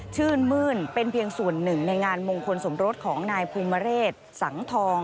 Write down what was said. ชื่นมื้นเป็นเพียงส่วนหนึ่งในงานมงคลสมรสของนายภูมิเรศสังทอง